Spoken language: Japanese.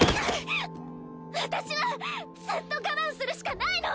私はずっと我慢するしかないの！